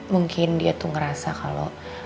mungkin dia tuh ngerasa kalau